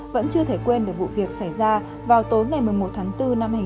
vẫn chưa thể quên được vụ việc xảy ra vào tối ngày một mươi một tháng bốn năm hai nghìn hai mươi hai